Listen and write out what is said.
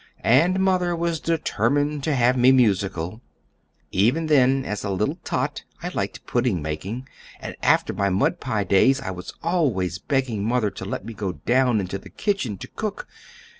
"And mother was determined to have me musical. Even then, as a little tot, I liked pudding making, and after my mud pie days I was always begging mother to let me go down into the kitchen, to cook.